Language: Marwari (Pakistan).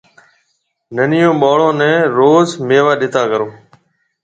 ننيون ٻاݪون نَي روز ميوا ڏَيتا ڪرو۔